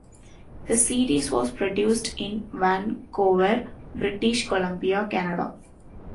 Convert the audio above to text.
The series was produced in Vancouver, British Columbia, Canada.